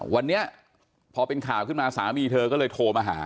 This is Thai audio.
วันนี้พอเป็นข่าวขึ้นมาสามีเธอก็เลยโทรมาหา